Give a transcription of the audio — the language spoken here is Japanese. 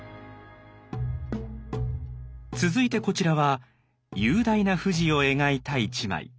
続いてこちらは雄大な富士を描いた一枚。